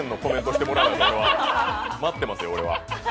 待ってますよ、俺は。